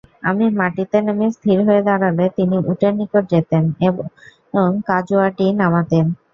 আমি মাটিতে নেমে স্থির হয়ে দাঁড়ালে তিনি উটের নিকট যেতেন এবং কাজওয়াটি নামাতেন।